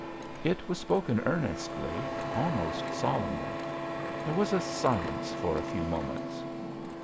It was spoken earnestly, almost solemnly. There was a silence for a few moments.